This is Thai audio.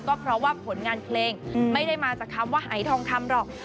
ก็เพราะว่าผลงานเพลงไม่ได้มาจากคำว่าหายทองคำหรอก